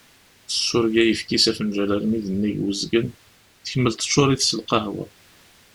Tessureg ayefki s afenǧal almi d nnig n uzgen, tkemmel teččur-it s lqawa.